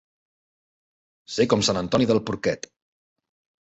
Ser com sant Antoni del porquet.